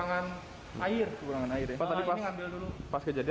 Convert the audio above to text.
nggak ada yang kerja ya